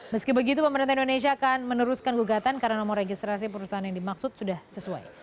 meski begitu pemerintah indonesia akan meneruskan gugatan karena nomor registrasi perusahaan yang dimaksud sudah sesuai